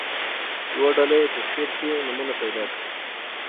یوه ډله دې په شعر کې نومونه پیدا کړي.